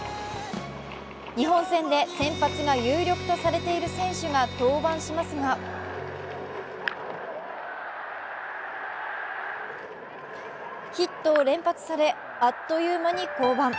日本戦で先発が有力とされている選手が登板しますがヒットを連発され、あっという間に降板。